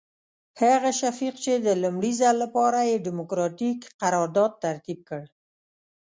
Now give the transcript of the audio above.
هغه شفیق چې د لومړي ځل لپاره یې ډیموکراتیک قرارداد ترتیب کړ.